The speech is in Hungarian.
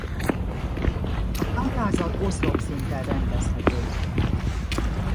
A táblázat oszlop szinten rendezhető!